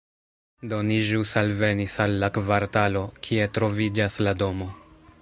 Do ni ĵus alvenis al la kvartalo, kie troviĝas la domo